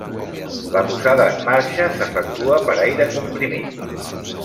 La posada en marxa s'efectua per aire comprimit.